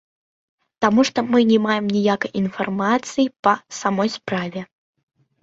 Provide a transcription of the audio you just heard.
Таму што мы не маем ніякай інфармацыі па самой справе.